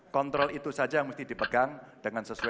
kontrol itu saja yang mesti dipegang dengan sesuai